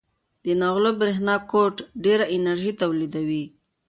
د نغلو برېښنا کوټ ډېره انرژي تولیدوي.